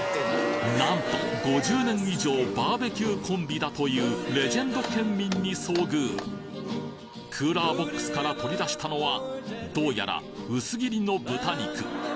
なんと５０年以上バーベキューコンビだというレジェンド県民に遭遇クーラーボックスから取り出したのはどうやら薄切りの豚肉。